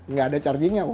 nggak ada chargingnya